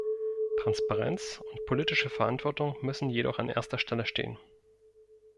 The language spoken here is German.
Transparenz und politische Verantwortung müssen jedoch an erster Stelle stehen.